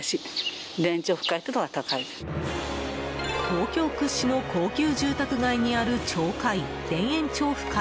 東京屈指の高級住宅街にある町会、田園調布会。